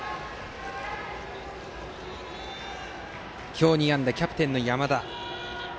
今日２安打、キャプテンの山田。